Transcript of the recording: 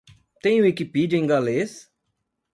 Tem Wikipedia em galês?